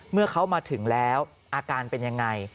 เมื่อเขามาถึงแล้วอาการเป็นยังไง